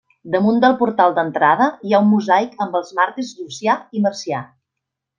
Damunt del portal d'entrada hi ha un mosaic amb els màrtirs Llucià i Marcià.